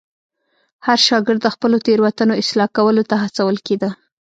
هر شاګرد د خپلو تېروتنو اصلاح کولو ته هڅول کېده.